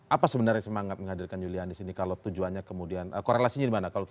apa sebenarnya semangat menghadirkan julianis ini kalau tujuannya kemudian korelasinya dimana